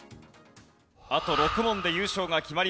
あと６問で優勝が決まります。